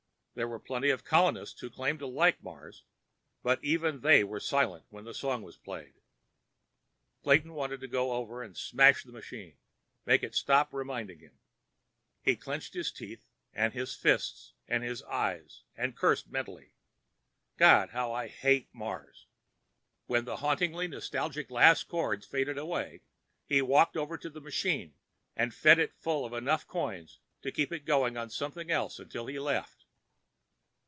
There were plenty of colonists who claimed to like Mars, but even they were silent when that song was played. Clayton wanted to go over and smash the machine—make it stop reminding him. He clenched his teeth and his fists and his eyes and cursed mentally. God, how I hate Mars! When the hauntingly nostalgic last chorus faded away, he walked over to the machine and fed it full of enough coins to keep it going on something else until he left.